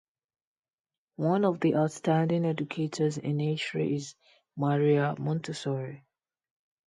One of the outstanding educators in history is Maria Montessori.